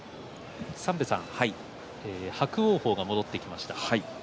伯桜鵬が戻ってきました。